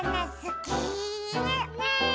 ねえ！